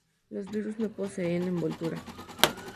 Los virus no poseen envoltura.